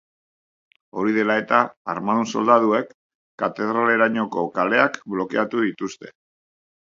Hori dela eta, armadun soldaduek katedralerainoko kaleak blokeatu dituzte.